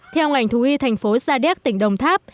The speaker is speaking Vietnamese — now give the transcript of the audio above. theo ngành thú y thành phố sa đéc tỉnh đồng tháp